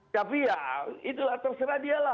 tapi ya itulah terserah dialah